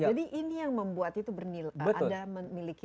jadi ini yang membuat itu bernilai